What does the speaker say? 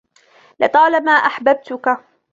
لطالما أحببتك.